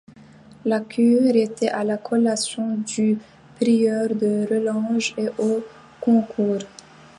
La cure était à la collation du prieur de Relanges et au concours.